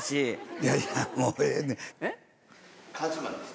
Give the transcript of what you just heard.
いやいやもうええねん。